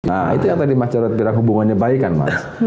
nah itu yang tadi mas jarod bilang hubungannya baik kan mas